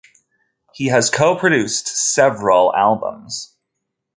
He has co-produced several albums.